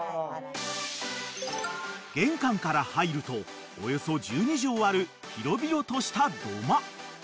［玄関から入るとおよそ１２畳ある広々とした土間］